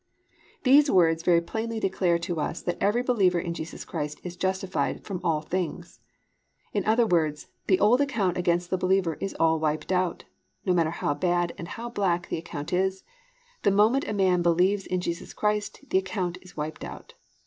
"+ These words very plainly declare to us that every believer in Jesus Christ is justified "from all things." In other words, the old account against the believer is all wiped out. No matter how bad and how black the account is, the moment a man believes in Jesus Christ, the account is wiped out.